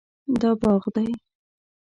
دا باغ دی